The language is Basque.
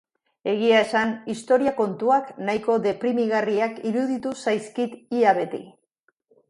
Egia esan historia kontuak nahiko deprimigarriak iruditu zaizkit ia beti.